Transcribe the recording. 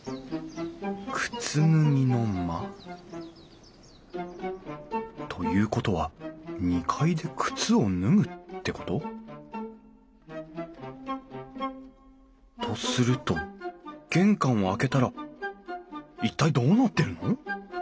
靴脱ぎの間。ということは２階で靴を脱ぐってこと？とすると玄関を開けたら一体どうなってるの？